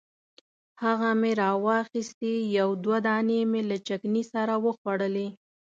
هغه مې راواخیستې یو دوه دانې مې له چکني سره وخوړلې.